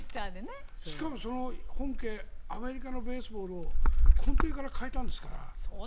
しかもその本家アメリカのベースボールを根底から変えたんですから。